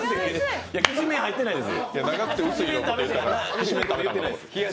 きしめん入ってないです。